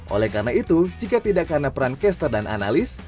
oleh karena itu jika tidak karena peran caster dan analis